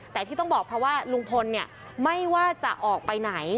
แต่ที่ต้องบอกเพราะว่าลุงพลเนี่ยไม่ว่าจะออกไปไหน